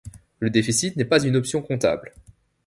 Le déficit n'est pas une notion comptable.